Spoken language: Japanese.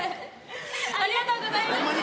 ありがとうございます。